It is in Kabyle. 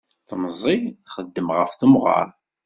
Temẓi txeddem ɣef temɣeṛ.